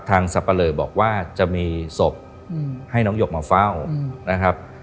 สับปะเลอบอกว่าจะมีศพให้น้องหยกมาเฝ้านะครับ